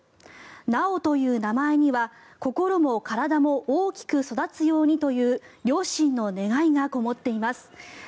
「巨」という名前には心も体も大きく育つようにという両親の願いがこもっています。